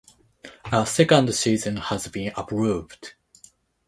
A second season has been approved.